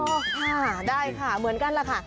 โอ้ค่ะได้ค่ะเหมือนกันค่ะ